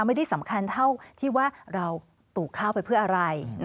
ไม่ได้สำคัญเท่าที่ว่าเราปลูกข้าวไปเพื่ออะไร